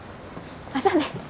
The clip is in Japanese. またね。